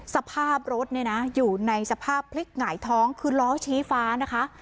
สภาพรถเนี่ยนะอยู่ในสภาพพลิกหงายท้องคือล้อชี้ฟ้านะคะ